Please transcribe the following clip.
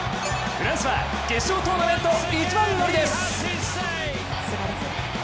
フランスは決勝トーナメント一番乗りです。